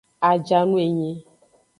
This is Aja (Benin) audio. Ajanu enyi.